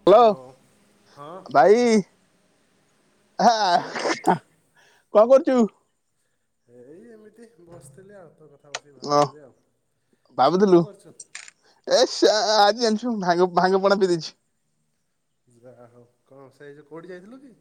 Hello ହଁ ବାଇ ଆଁ କଣ କରୁଛୁ? ଏଇ ଏମିତି ବସିଥିଲି ଆଉ ତୋ କଥା ବସିକି ଅ ଭାବୁଥିଲି ଆଉ ତୁ ଭାବୁଥିଲୁ କଣ କରୁଛୁ? ଏ ସ ଆ ଆ ଆଜି ଜଣିଚୁ ଭାଙ୍ଗ ଭାଙ୍ଗପଣା ପି ଦେଇଛି। [unintelligible] ସେଇଜ କୋଉଠି ଯାଇଥିଲୁ କି?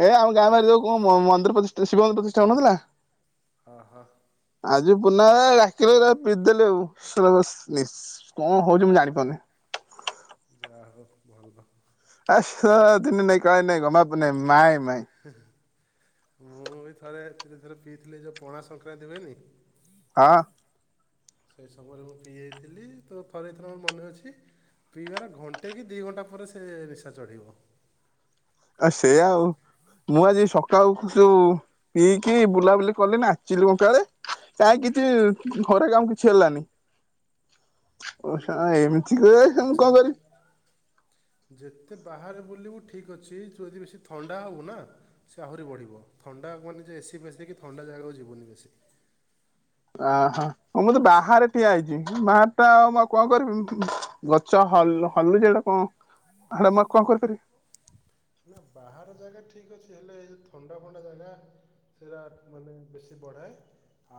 ଏ ଆମ ଗାଁ ବାହରେ ଯଉ କଣ ମ ମନ୍ଦିର ପ୍ରତିଷ୍ଠା ଶିବ ମନ୍ଦିର ପ୍ରତିଷ୍ଠା ହଉନଥିଲା? ହଁ ହଁ। ଆଜି ପୁନ ଡାକିଲେ ବିରି ଦେଲେ ଆଉ [unintelligible] ନିସ କଣ ହଉଛି ମୁଁ ଜାଣିପାରୁନି। ଯା ହଉ ଭଲ। ଆ ସ ନା ଦିନେ ନାଇଁ କାଳେ ନାଇଁ ଗହ୍ମା ପୁନେଇଁ ମାଇଁ ମାଇଁ। ମୁଁ ବି ଥରେ ଏଥିରେ ଥରେ ପିଇଥିଲି ଏ ଯେଉଁ ପଣା ସଂକ୍ରାନ୍ତି ହୁଏନି? ହଁ। ସେଇ ସମୟରେ ମୁଁ ପିଇଯାଇଥିଲି ତ ଥରେ ଦିଥର ମୋର ମନେ ଅଛି। ପିଇବାର ଘଣ୍ଟେ କି ଦୁଇ ଘଣ୍ଟା ପରେ ସେ ନିଶା ଚଢ଼ିବ। ଆ ସେୟା ଆଉ। ମୁଁ ଆଜି ସକାଳୁକୁ ଯୋଉ ପିଇକି ବୁଲାବୁଲି କଲି ନାଚିଲୁ କଙ୍କାଳେ। କାଇଁ କିଛି ଘରେ କାମ କିଛି ହେଲାନି। ଓ ସା ଏମିତି କୁହ ମୁଁ କଣ ଯେ କରିବି। ଯେତେ ବାହାରେ ବୁଲିବୁ ଠିକ୍ ଅଛି ତୁ ଯଦି ବେଶୀ ଥଣ୍ଡା ହବୁ ନା ସେ ଆହୁରି ବଢିବ ଥଣ୍ଡା ମାନେ ଯେ ଏସି ଫେଶୀ କି ଥଣ୍ଡା ଜାଗାକୁ ଯିବୁନି ବେଶୀ। ଓହୋ ମୁଁ ତ ବାହାରେ ଠିଆ ହେଇଛି ବାହାର ଟା ମୁଁ ଆଉ କଣ କରିବି ଉଁ ଗଛ ହଲ୍ ହଲୁଛି ଯେଟା କଣ ହେଟା ମୁଁ ଆଉ କଣ କରିପାରିବି। ନା ବାହାର ଜାଗା ଠିକ୍ ଅଛି ହେଲେ ଏଇ ଯଉ ଥଣ୍ଡା ଫଣ୍ଡା ଜାଗା ସେଇଟା ମାନେ ବେଶୀ ବଢାଏ।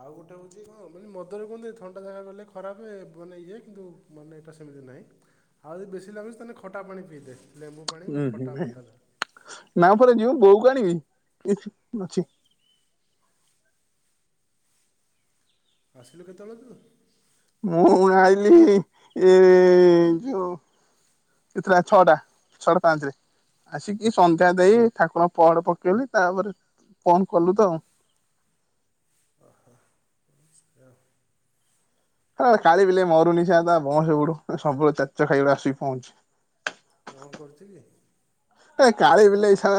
ଆଉ ଗୋଟେ ହେଉଛି କଣ ମାନେ ମଦରେ କୁହନ୍ତି ଥଣ୍ଡା ଜାଗାକୁ ଗଲେ ଖରାପେ ବ ନାଁ ଇଏ କିନ୍ତୁ ମାନେ ଏଇଟା ସେମିତି ନାହିଁ ଆଉ ଯଦି ବେଶୀ ଲାଗୁଛି ତାହେଲେ ଖଟା ପାଣି ପିଇଦେ ଲେମ୍ବୁ ପାଣି ଉଁ କି ହୁଁ ଉଁ ଖଟା ଫଟା ଯାହା। ହୁଁ ନା ପରେ ଯିବା ବୋଉକୁ ଆଣିବି ଅଛି। ଆସିଲୁ କେତେବେଳେ ଆସିଲୁ? ମୁଁ ଆଇଲି ଏ ଯୋଉ ଏଥିଲା ଛଅଟା ଛଅଟା ପାଞ୍ଚ ରେ। ଆସିକି ସନ୍ଧ୍ୟା ଦେଇ ଠାକୁରଙ୍କ ପହଡ ପକେଇଲି ତାପରେ ଫୋନ କଲୁ ତ ଆଉ। ଓହୋ [unintelligible] ଏ କାଳି ବିଲେଇ ମରୁନି ସେ ଆଉ ତା ବଅଁସ ବୁଡୁ ସବୁବେଳେ ଚାଚ ଖାଇ ଭଳିଆ ଆସିକି ପହଁଞ୍ଚୁଛି। କଣ କରୁଚୁ କି? ଏ କାଳି ବିଲେଇ ସା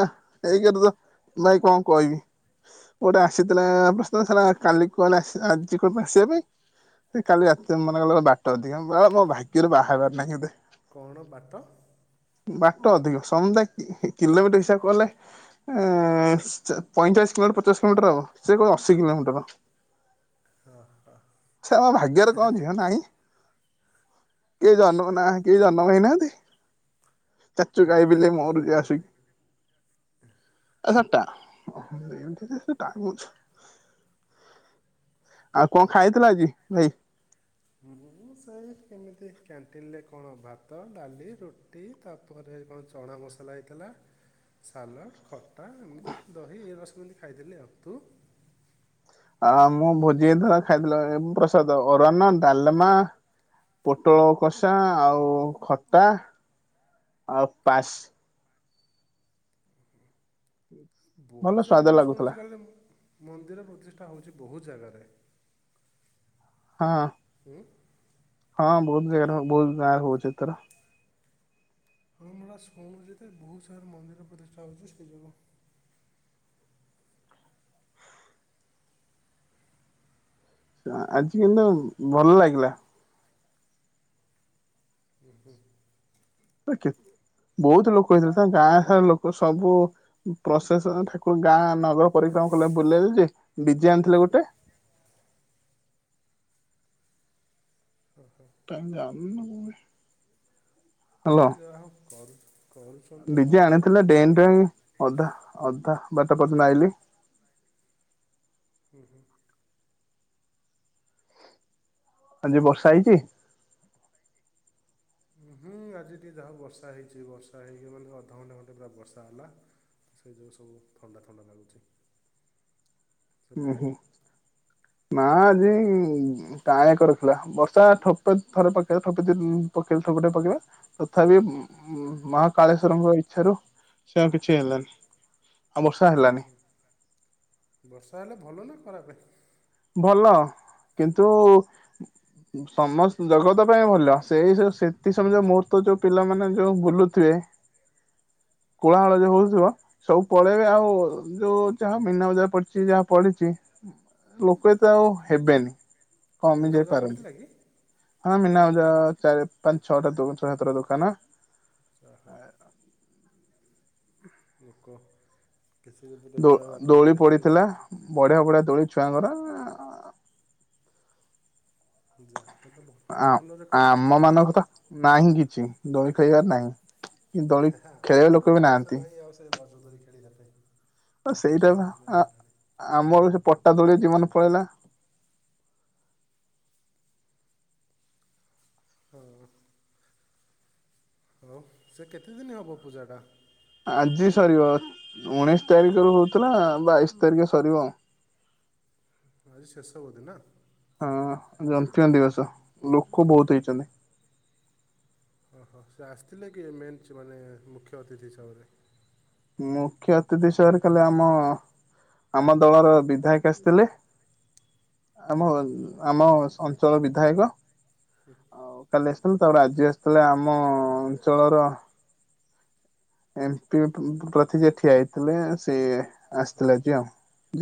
ଏକେରେ ତ ଭାଇ କଣ କହିବି। କୋଟେ ଆସିଥିଲା ପ୍ରସ୍ତାବ ସା କାଲି କୁହାଗଲା ଆସି ଆଜିକ ଆସିବା ପାଇଁ। ସେ କାଲି ରା ମନେ କଲେ ବାଟ ଅଧିକା, ମୋ ଭାଗ୍ୟରୁ ବାହା ହେବାର ନାହିଁ ବୋଧେ। କଣ ବାଟ ବାଟ ଅଧିକା ସମୁଦାୟ କିଲୋମିଟର ହିସାବ କଲେ ଏ ପଇଁଚାଳିଶ କିଲୋମିଟର ପଚାଶ କିଲୋମିଟର ହବ ସେ କୋହୁଚନ୍ତି ଅଶି କିଲୋମିଟର। [unintelligible] ଭାଗ୍ୟରେ କଣ ଝିଅ ନାହିଁ, କିଏ ଜନ୍ମ ନା କେ ଜନ୍ମ ହେଇନାହାନ୍ତି, ନା [unintelligible] [unintelligible] ଆ ସେ ଦେଖ ଟା [unintelligible] ଆଉ କଣ ଖାଇଥିଲା ଆଜି ଭାଇ? ମୁଁ ସାର୍ କେମିତି କ୍ୟାଣ୍ଟିନ୍ରରେ କଣ ଭାତ ଡାଲି ରୁଟି ତ ତା ପରେ କଣ ଚଣା ମସଲା ହେଇଥିଲା ସାଲଡ଼ ଖଟ ଖଟା ଏମିତି ଦହି ଏ ରସମିତି ଖାଇଦେଲେ ତୁ? ଆ ମୁଁ ଭୋଜି ଧର ଖାଇଥିଲ ପ୍ରସାଦ ଅରନ ଡାଲମା ପୋଟଳ କଷା ଆଉ ଖଟା ଆଉ ପାସ୍। ଭଲ ବହୁତ ଜାଗା ସ୍ଵାଦ ତ ମୁଁ ଲାଗୁଥିଲା ଶୁଣିଚି [unintelligible] ମନ୍ଦିର ପ୍ରତିଷ୍ଠା ହେଉଛି ବହୁତ ଜାଗାରେ। ହଁ। ହଁ। ହଁ ବହୁତ ଜାଗାରେ ବହୁତ ଗାଁ ହଉଛି ଏଥର। ହଁ [unintelligible] ଶୁଣୁ ଯେତେ ବହୁତ ସାରା ମନ୍ଦିର ପ୍ରତିଷ୍ଠା ହେଉଛି ସେ ଯୋଗୁଁ। ଆଜି କିନ୍ତୁ ଭଲ ଲାଗିଲା। ହୁଁ ହୁଁ। କେ ବହୁତ ଲୋକ ହେଇଥିଲେ, ତାଙ୍କ ଗାଁ ସାରା ଲୋକ ସବୁ ପ୍ରସେସନ ଠାକୁର ଗାଁ ନଗର ପରିକ୍ରମା କଲେ ବୁଲେଇଲେ ଡି ଜେ ଆଣିଥିଲେ ଗୋଟେ। ହୁଁ ହୁଁ। [unintelligible] ହ୍ୟାଲୋ ଯା ହଉ କରୁ କରୁଛନ୍ତି ତ ଡିଜେ ଭଲ ଆଣିଥିଲେ ଡେଇଁ କିଛି କିଛି। ଡେଇଁ ଅଧା ଅଧା ବାଟା ପର୍ଯ୍ୟନ୍ତ ଆଇଲି। ହଁ ହଁ। ଆଜି ବର୍ଷା ହେଇଛି? ହୁଁ ଆଜି ଟିକିେ ଯାହା ବର୍ଷା ହେଇଛି ବର୍ଷା ହେଇକି ମାନେ ଅଧଘଣ୍ଟା ଘଣ୍ଟେ ପୁରରା ବର୍ଷା ହେଲା। ସେହିତ ସବୁ ଥଣ୍ଡା ଥଣ୍ଡା ଲାଗୁଛି। ଓ ସେପଟେ ହୁଁ ନା ଆଜି ପାଣି ଏକ ରଖିଲଥିଲା ବର୍ଷା ଠୋପ ଥରେ ପକେଇଲା ଠୋପେ ପକେଇଲେ ଠପେ ଠୋପ ପକେଇବା। ତଥାପି ମାହା କଳେଶ୍ଵରଙ୍କ ଇଚ୍ଛାରୁ ସେ କିଛି ହେଲାନି। ଆଉ ବର୍ଷା ହେଲାନି ଓହୋ ବର୍ଷା ହେଲେ ଭଲ ନା ଖରାପ? ଭଲ କିନ୍ତୁ ସମସ୍ତ ଜଗତ ପାଇଁ ଭଲ, ସେଇ ସେଥି ସମୟ ମୁହର୍ ତ ଯୋଉ ପିଲାମାନୋନେ ଯୋଉ ବୁଲୁଥିବେ କୋଳାହାଳ ଯୋଉ ହୋଉଥିବ ସବୁ ପଳେଇବେ ଆଉ ଯୋଉ ଯାହା ମନା ବଜା ପଡିଛି ଯାହା ପଡିଚି ଲୋକ ଏତେ ଆଉ ହେବେନି କଣ କମି ମୀନା ବଜାର ଯାଇପାରନ୍ତି। ପଡ଼ିଥିଲା କି ହଁ ମିନାବଜାର ଚାରି ପାଞ୍ଚ ଛଅଟା ଛ ସାତଟା ଦୋକାନ ଚାହ ଲୋକ କିଛି ବି ଦୋ ବେପାର ଦୋଳି ପଡିଥିଲା [unintelligible] ବଢିଆ ବଢିଆ ଦୋଳି ଛୁଆଙ୍କର। ଯା ଭଲ ଆ ଭଲରେ ଆମ କରୁଥିବେ ମାନଙ୍କ ତ ନାହିଁ କିଛି ଦୋଳି ଖେଳିବାର ନାହିଁ [unintelligible] କି ଦୋଳି ହେ ହା ଖେଳିବା ଆମର ତ ଲୋକ ବି ବୟସ ନାହାନ୍ତି ନାହିଁ ଆଉ ସେ ରଜ ଦୁଳି ଖେଳିିବା ପାଇଁ। ତ ସେଇଟା ସେ ସମୟ ବା ଗଲାଣି ଆମର ସେ ପଟା ଦୋଳି ଜୀବନ ପଳେଇଲା। ହଁ ହଉ ସେ କେତେଦିନ ହବ ପୂଜାଟା? ଆଜି ସରିବ ଉଣେଇଶି ତାରିଖରୁ ହଉଥିଲା ବାଇଶି ତାରିଖ ସରିବ। ଆଜି ଶେଷ ବଧେ ନା। ହଁ [unintelligible] ବସ ଲୋକ ବହୁତ ହେଇଛନ୍ତି। ଓହୋ ସେ ଆସିଥିଲେ କି ମେନ୍ ସେମାନେ ମୁଖ୍ୟ ଅତିଥି ହିସାବରେ। ମୁଖ୍ୟ ଅତିଥି ହିସାବରେ ଖାଲି ଆମ। ଆମ ଦଳର ବିଧାୟକ ଆସିଥିଲେ। ଆମ ଆମ ଅଞ୍ଚଳ ବିଧାୟକ। ହୁଁ। ଆଉ କାଲି ଆସିଥିଲେ ତାପରେ ଆଜି ଆସିଥିଲେ ଆମ ଅଞ୍ଚଳର। ଏମ୍ ପି ପ ପ୍ରତି ଯେ ଠିଆ ହେଇଥିଲେ ସେ ହଁ ହଁ ଆସିଥିଲେ ଆଜି ଆଉ।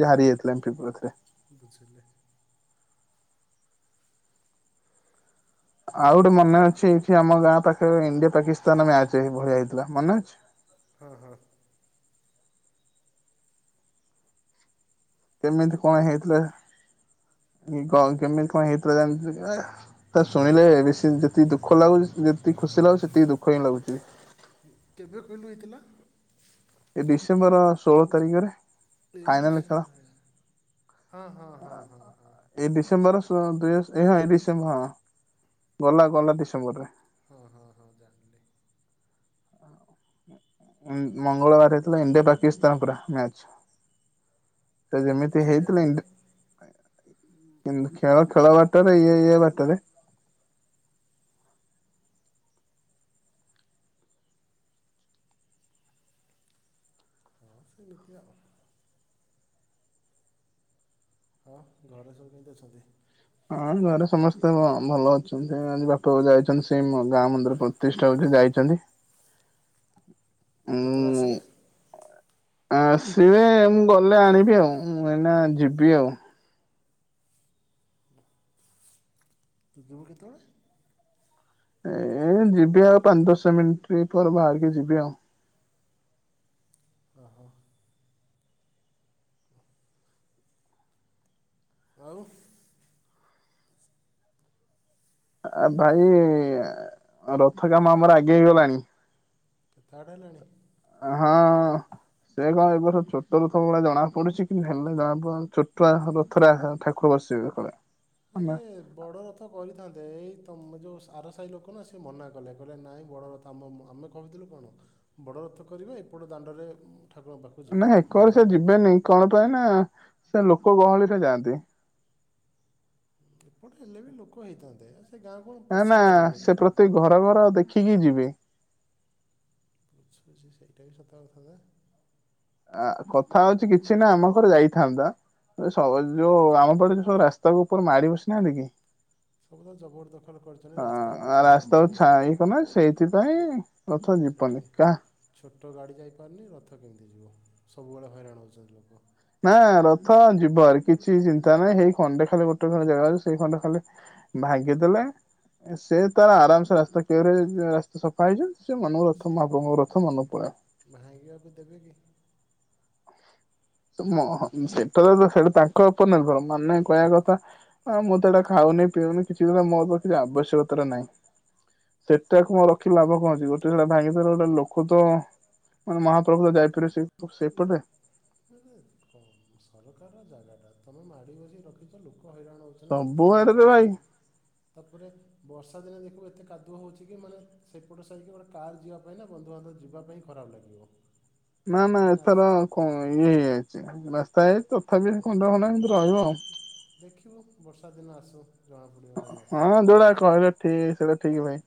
ଯାହାବି ହେଇଥିଲା [unintelligible] ବୁଝିଲେ। ଆଉ ଗୋଟେ ମନେ ଅଛି ଏଇଠି ଆମ ଗାଁ ପାଖେରେ ଇଣ୍ଡିଆ ପାକିସ୍ତାନ ମ୍ୟାଚ ଏଇଭଳିଆ଼ହେଇଥିଲା ମନେ ଅଛି। ହଁ ହଁ କେମିତି ସେଟା କଣ ତ ହେଇଥିଲା କଣ କେମିତି କଣ ହେଇଥିଲା ଜାଣି ଥିଲୁ ଏ ତା ଶୁଣିଲେ ବେଶୀ ଯେତିକି ଦୁଃଖ ଲାଗୁଛି ଯେତିକି ଖୁସି ଲାଗୁଛି ସେତିକି ଦୁଃଖ ହିଁ ଲାଗୁଚି। କେବେ କହିଲୁ ହେଇଥିଲା। ଏ ଡିସେମ୍ବର ଷୋଳ ତାରିଖରେ। ଏ ଫାଇନାଲ ଖେଳ। ଡିସେମ୍ବର ରେ ହେଲା ହଁ ହଁ ହଁ ହଁ ହଁ ଏଇ ଡିସେମ୍ବର ସୁ ଦୁଇ ହଜ ଏଇ ଡିସେମ୍ବ ହଁ ଗଲା ଗଲା ଡିସେମ୍ବର ରେ। ହଁ ହଁ ହଁ ଜାଣିଲି। ଆଉ। ଉଁ ମଙ୍ଗଳବାରେ ହେଇଥିଲା ଇଣ୍ଡିଆ ପାକିସ୍ତାନ ପୁରା ମ୍ୟାଚ। ତ ହଁ ଯେମିତି ଖେଳ ହେଇଥିଲେ ତ ଇଣ୍ଡି ଖେଳ ଖେଳ ବାଟରେ ଇଏ ଇଏ ବାଟରେ। ହଁ ସେମିତି ଆଉ। ଆଉ ଘରେ ସବୁ କେମିତି ଅଛନ୍ତି। ହଁ ଘରେ ସମସ୍ତେ ଭ ଭଲ ଅଛନ୍ତି ଆଜି ବାପ ଯାଇଚନ୍ତି। ସେ ମୋ ଗାଁ ମନ୍ଦିର ପ୍ରତିଷ୍ଠା ହଉଛି ଯାଇଚନ୍ତି। କେତେବେଳେ ଆସିବେ? ଆ ସିଏ ମୁଁ ଗଲେ ଆଣିବି ଆଉ ଉଁ ମୁଁ ଏଇନା ଯିବି ଆଉ। ତୁ ଯିବୁ କେତେବେଳେ। ଏ ଯିବି ଆଉ ପାଞ୍ଚ ଦଶ ମିନିଟ୍ ପରେ ବାହାରିକି ଯିବି ଆଉ। ଅ ହ। ଆଉ। ଆ ଭାଇ ରଥ କାମ ଆମର ଆଗେଇ ଗଲାଣି। କେତେ ବାଟ ହେଲାଣି। ହଁ ସେୟା କଣ ଏ ବର୍ଷ ଛୁଟ ରଥ ଭଳିଆ ଜଣା ପଡ଼ୁଚି କିନ୍ତୁ ହେଲେ ଜଣା [unintelligible] ଲୋକ ବସିବେ [unintelligible] ଆରେ ବଡ ରଥ ତ କରିଥାନ୍ତେ ଏଇ ତମେ ଯୋଉ ଆର ସାହି ଲୋକ ନା ସେ ମନା କଲେ କହିଲେ ନାଇଁ ବଡ ଆମ ଆମେ କହୁଥିଲୁ କଣ ବଡ଼ ରଥ କରିବେ ଏପଟ ଦାଣ୍ଡରେ ଠାକୁରଙ୍କ ପାଖ ନାଇ ଏକର ସେ ଯିବେନି କଣ ପାଇଁ ନା ସେ ଲୋକ ଗହଳିରେ ଯାଆନ୍ତି। ଏପଟେ ହେଲେ ବି ଲୋକ ହେଇଥାନ୍ତେ ସେ ଗାଁ କୁ ପଶି ପାରୁନି। ତେ ଘର ଘର ଦେଖିକି ଯିବେ। ଆଛା ସିଏ ସେଇଟାବି ସତ କଥାଯେ। ଆ କଥା ହଉଛି କିଛି ନା ଆମ ଘର ଯାଇଥାନ୍ତା। ଏ ସ ଯୋଉ ଆମ ପଟେ ଯୋଉ ସବୁ ରାସ୍ତା ଉପରକୁ ମାଡ଼ିବସି ନାହାନ୍ତି କି। ସବୁ ତ ଜବରଦଖଲ କରିଛନ୍ତି ହଁ ରାସ୍ତା ଉପରେ ମାନେ ରାସ୍ତାକୁ ଇଏ ଛାଇକି କରିଛନ୍ତି। କିନେ ସେଇଥିପାଇଁ ଅଛନ୍ତି ସେଠି ପନିକା। ଛୋଟ ଗାଡ଼ି ଯାଇପାରୁନି ରଥ କେମିତି ଯିବ ସବୁବେଳେ ହଇରାଣ ହେଉଛନ୍ତି ଲୋକ। ନା ରଥ ଯିବ ଆରେ କିଛି ଚିନ୍ତା ନାହିଁ ସେଇ ଖଣ୍ଡେ ଖାଲି ଗୋଟେ ଖଣ୍ଡ ଜାଗା ଅଛି ସେଇ ଖଣ୍ଡେ ଖାଲି ଭାଙ୍ଗିଦେଲେ ସେ ତାର ଆରାମସେ ରାସ୍ତା କ୍ଲିଅର ହେଇଯାଇଚି ଆ ତ ସଫା ହେଇଯାଉ ସେ ମନକୁ ରଥ ମହାପ୍ରଭୁଙ୍କ ରଥ ମନେ ପଳାଅ। ଭାଙ୍ଗିଆକୁ ଦେବେକି। ତୁମ ହଁ ସେଟା [unintelligible] ହେଟା ତାଙ୍କ ଉପରେ ନିର୍ଭର ମାନେ କହିବା କଥା ହଁ ମୁଁ ତ ଏଇଟା ଖାଉନି ପିଉନି କିଛିି କରୁନି ମୋର [unintelligible] ଆବଶ୍ୟକତା ନାହିଁ। ସେଟା କଁ ରଖିଲେ ଲାଭ କଣ ଅଛି ଗୋଟେ ହେଲା ଭାଙ୍ଗିଦେଲ ଗୋଟେ ଲୋକ ତ ମାନେ ମହାପ୍ରଭୁ ତ ଯାଇପାରିବେ ସେ ସେଇପଟେ। ମାନେ କଁ ସରକାରର ଜାଗା ଟା ତମେ ମାଡ଼ି ବସି ରଖିଛ ଲୋକ ହଇରାଣ ହଉ ଖାଲି ସବୁ ରଥ ଯାଇ ଆଡରେ ଭାଇ ପାରୁନି। ତାପରେ ବର୍ଷା ଦିନେ ଦେଖିବୁ ଏତେ କାଦୁଅ ହେଉଛି କି ମାନେ ସେପଟ ସାହି କି ଗୋଟେ କାର୍ ଯିବା ପାଇଁ ନା ବନ୍ଧୁବାନ୍ଧବ ଯିବା ପାଇଁ ଖରାପ ଲାଗିବ। ନା ନା ମାନେ ଆସି ଏଥର କଣ ଇଏ ହେଇଚି ରାସ୍ତା ହେଇଯାଇଛି ତ। ତାବି ହେଣେ କଣ୍ଟା ମଣ୍ଟା। ନା ଦେଖିବୁ ବର୍ଷା ଦିନ ଆସୁ। ଜଣା ପଡ଼ିବ କଣ ରାସ୍ତା ହଁ ହେଇଛି କି ଯୋଉଟା ନାଇଁ ସେ କହିଲେ ଠିକ ସେଇଟା ଠିକ ଭାଇ।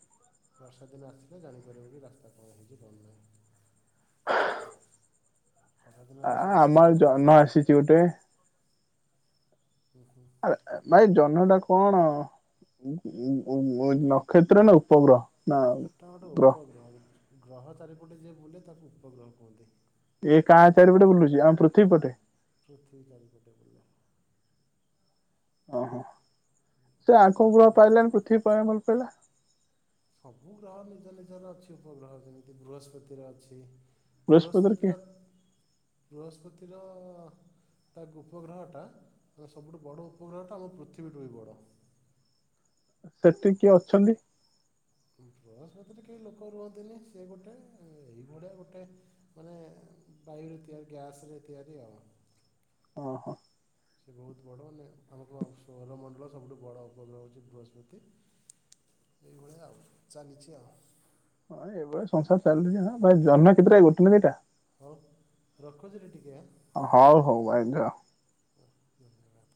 ବର୍ଷା ଦିନ ଆସିଲେ ଜାଣିପାରିବ କି ରାସ୍ତା କଣ ହେଇଛି କଣ ନାହିଁ। ଖରାଦିନ ତ ଆ ସବୁ ଆମ ଶୁଖିଲା ଆଡ଼େ ଦେଖାହେବ ଜହ୍ନ ଆସିଛି ଗୋଟେ। ହୁଁ ହୁଁ ଆ ଆଉ ନାଇଁ ଜହ୍ନ ଟାକୁ କଣ ନକ୍ଷତ୍ର ନା ଉପଗ୍ରହ? ନା ସେଇଟା ଗୋଟେ ଗ୍ରହ ଉପଗ୍ରହ ଗ୍ରହ ଚାରିପଟେ ଯିଏ ବୁଲେ ତାକୁ ଉପଗ୍ରହ କୁହନ୍ତି। ଇଏ କାହା ଚାରିପଟେ ବୁଲୁଛି ଆମ ପୃଥିବୀ ପଟେ? ପୃଥିବୀ ଚାରିପଟେ ବୁଲେ। ଓହୋ ସେ ଆଉ କୋଉ ଗ୍ରହ ପୃଥିବୀ ପାଇଲାନି ପୃଥିବୀକୁ କାଇଁ ଭଲ ପାଇଲା? ସବୁ ଗ୍ରହର ନିଜ ନିଜର ଅଛି ଉପଗ୍ରହ ଯେମିତି ବୃହସ୍ପତିର ଅଛି। ବୃହସ୍ପତିରେ ବୃହସ୍ପତି କିଏ ର ବୃହସ୍ପତି ର ତା ଗୁପଗ୍ରହଟା ତାହେଲେ ସବୁଠୁ ବଡ଼ ଉପଗ୍ରହଟା ଆମ ପୃଥିବୀଠୁ ବି ବଡ଼। ସେଠି କିଏ ଅଛନ୍ତି? ବୃହସ୍ପତି ରେ କେହି ଲୋକ ରୁହନ୍ତିନି ସେ ଗୋଟେ ଏଇଭଳିଆ ଗୋଟେ ମାନେ ବାୟୁରେ ଥିବା ଗ୍ୟାସ ରେ ତିଆରି ଆଉ। ଓହୋ। ସେ ବହୁତ ବଡ଼ ମାନେ ଆମକୁ ସୌରମଣ୍ଡଳର ସବୁଠୁ ବଡ଼ ଉପଗ୍ରହ ହେଉଛି ବୃହସ୍ପତି। ଏଇଭଳିଆ ଆଉ ଚାଲିଛି ଆଉ। ହଁ ଏଇଭଳିଆ ସଂସାର ଚାଲୁଛି ହଁ ଭାଇ ଜହ୍ନଟି ପୁରା ଗୋଟେ ନା ଦିଇଟା? ‌ହୋଉ ରଖୁଚିରେ ଟିକେ ଆଁ। ହୋଉ ହୋଉ ଆଜ୍ଞା। ଧନ୍ୟବାଦ